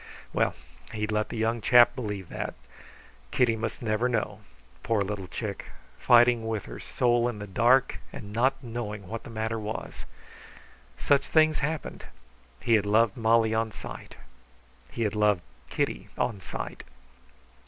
Well, he'd let the young chap believe that. Kitty must never know. Poor little chick, fighting with her soul in the dark and not knowing what the matter was! Such things happened. He had loved Molly on sight. He had loved Kitty on sight.